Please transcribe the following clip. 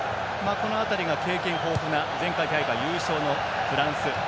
この辺りが経験豊富な前回大会優勝のフランス。